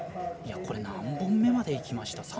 これ、何本目までいきました？